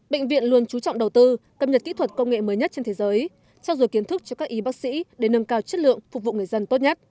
bệnh viện luôn chú trọng đầu tư cập nhật kỹ thuật công nghệ mới nhất trên thế giới trao dồi kiến thức cho các y bác sĩ để nâng cao chất lượng phục vụ người dân tốt nhất